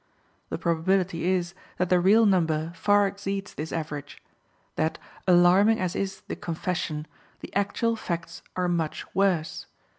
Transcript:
The probability is that the real number far exceeds this average; that, alarming as is the confession, the actual facts are much worse.